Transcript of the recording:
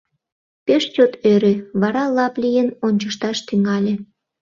Пеш чот ӧрӧ, вара лап лийын ончышташ тӱҥале.